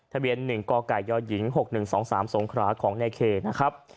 ทะเบียน๑กกยหญิง๖๑๒๓สงขราของในเคนะครับ